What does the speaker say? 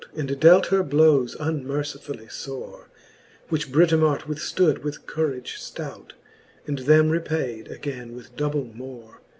And dealt her blowes unmercifully fore j Which Britomart withftood with courage ftout, And them repaide againe with double more.